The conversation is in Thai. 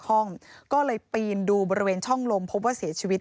พ่อพูดว่าพ่อพูดว่าพ่อพูดว่าพ่อพูดว่าพ่อพูดว่า